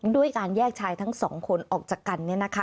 ด้วยการแยกชายทั้งสองคนออกจากกัน